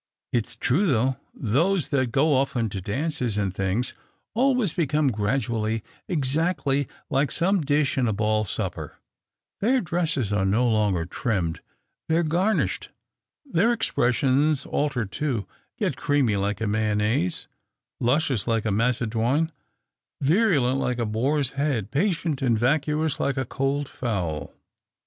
It's true, though, those that go often to dances and things always become gradually exactly like some dish in a ball supper. Their dresses are no longer trimmed, they are garnished. Their expressions alter too — get creamy like a mayonnaise, luscious like a macedoine, virulent like a boar's head, patient and vacuous like a cold fowl.